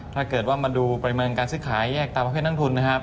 ถ้าเกิดว่ามาดูปริมาณการซื้อขายแยกตามประเภทนักทุนนะครับ